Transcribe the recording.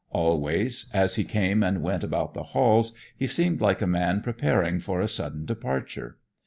Always, as he came and went about the halls, he seemed like a man preparing for a sudden departure.